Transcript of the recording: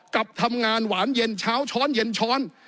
กับทำงานหวานเย็นเช้าช้อนเย็นช้อน